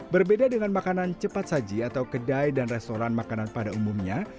berbeda dengan makanan cepat saji atau kedai dan restoran makanan pada umumnya